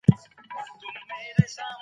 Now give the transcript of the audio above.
مطالعه بايد د ټولنې پرمختګ ته لار هواره کړي.